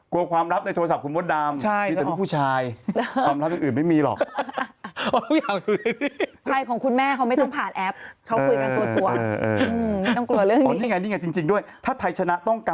กลัวความลับในโทรศัพท์คุณมดดำมีแต่ผู้ชายความลับอื่นไม่มีหรอก